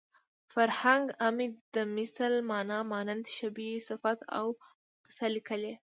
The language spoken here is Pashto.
فرهنګ عمید د مثل مانا مانند شبیه صفت حدیث او قصه لیکلې